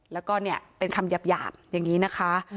แล้วก็เนี่ยเป็นคำหยาบอย่างนี้นะคะ